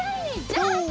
ジャンプ！